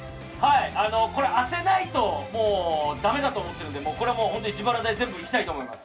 これ当てないと駄目だと思ってるんで本当に自腹で全部いきたいと思います。